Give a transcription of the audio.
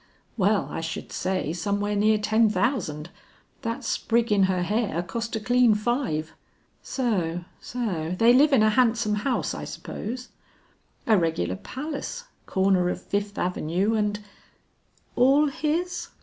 "Well I should say some where near ten thousand; that sprig in her hair cost a clean five." "So, so. They live in a handsome house I suppose?" "A regular palace, corner of Fifth Avenue and " "All his?"